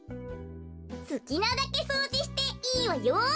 すきなだけそうじしていいわよ。